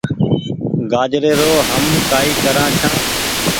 گآجري رو هم ڪآئي ڪرآن ڇآن ۔